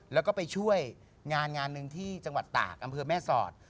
แล้วก็ไปช่วยงานงานหนึ่งที่จังหวัดตากอำเภอแม่สอด